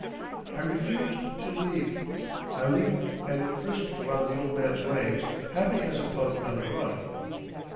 I refused to leave. I leaped and frisked around the old man's legs happy as a pug on a rug.